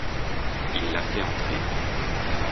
Il la fait entrer.